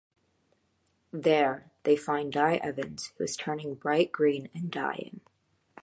There, they find Dai Evans, who is turning bright green and dying.